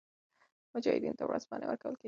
مجاهدینو ته ورځپاڼې ورکول کېدې.